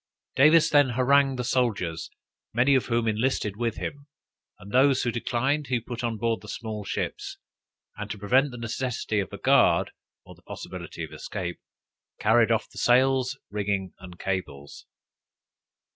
Davis then harrangued the soldiers, many of whom enlisted with him; and those who declined, he put on board the small ships, and to prevent the necessity of a guard, or the possibility of escape, carried off the sails, rigging and cables.